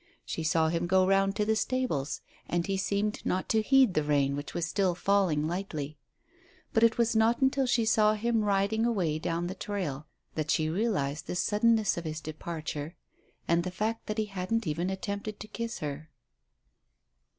She saw him go round to the stables, and he seemed not to heed the rain which was still falling lightly. But it was not until she saw him riding away down the trail that she realized the suddenness of his departure and the fact that he hadn't even attempted to kiss her.